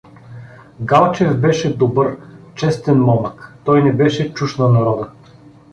Галчев беше добър, честен момък, той не беше чужд на народа.